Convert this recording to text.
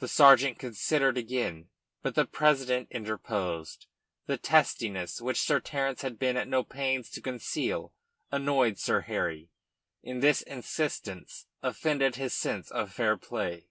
The sergeant considered again. But the president interposed. The testiness which Sir Terence had been at no pains to conceal annoyed Sir Harry, and this insistence offended his sense of fair play.